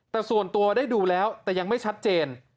แต่ส่วนตัวได้ดูแล้วแต่ยังไม่ชัดเจน